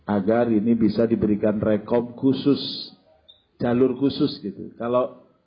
agar ini bisa diberikan rekom khusus jalur khusus gitu